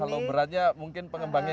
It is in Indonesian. kalau beratnya mungkin pengembangnya